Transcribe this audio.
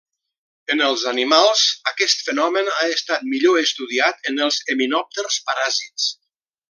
En els animals, aquest fenomen ha estat millor estudiat en els himenòpters paràsits.